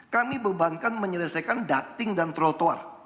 kami bebankan menyelesaikan dating dan trotuar